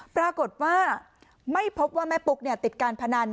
ปรากฏว่าไม่พบว่าแม่ปุ๊กติดการพนัน